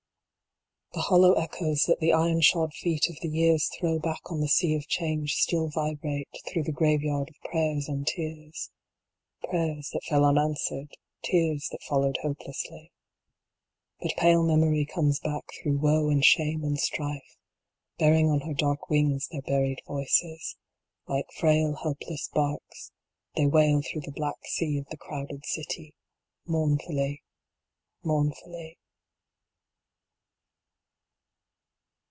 III. The hollow echoes that the iron shod feet of the years throw back on the sea of change still vibrate through the grave yard of prayers and tears ; Prayers that fell unanswered, Tears that followed hopelessly. But pale Memory comes back through woe and shame and strife, bearing on her dark wings their buried voices ; Like frail helpless barks, they wail through the black sea of the crowded city, Mournfully, mournfully.